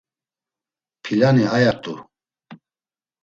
Pilani aya rt̆u.